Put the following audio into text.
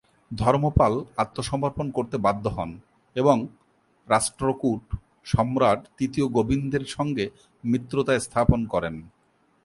ধর্মপাল আত্মসমর্পণ করতে বাধ্য হন এবং রাষ্ট্রকূট সম্রাট তৃতীয় গোবিন্দের সঙ্গে মিত্রতা স্থাপন করেন।